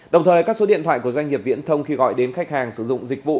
đồng thời các số điện thoại của doanh nghiệp viễn thông khi gọi đến khách hàng sử dụng dịch vụ